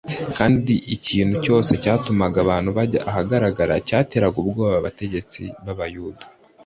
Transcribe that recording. , kandi ikintu cyose cyatumaga abantu bajya ahagaragara cyateraga ubwoba abategetsi b’Abayuda.